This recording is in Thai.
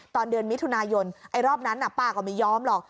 ตอนเดือนมิถุนายนไอ้รอบนั้นป้าก็ไม่ยอมหรอก